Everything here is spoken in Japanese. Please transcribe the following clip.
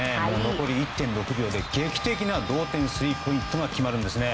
残り１．６秒で劇的な同点スリーポイントが決まるんですね。